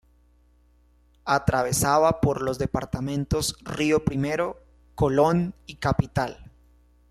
Atravesaba por los departamentos Río Primero, Colón y Capital.